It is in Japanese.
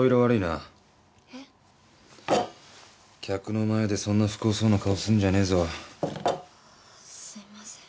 客の前でそんな不幸そうな顔すんじゃねえぞ。